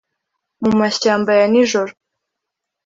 mu mashyamba ya nijoro: